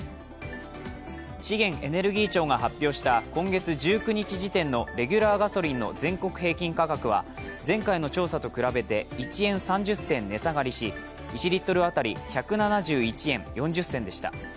資源エネルギー庁が発表した今月１９日時点のレギュラーガソリンの全国平均価格は前回の調査と比べて１円３０銭値下がりし、１リットル当たり１７１円４０銭でした。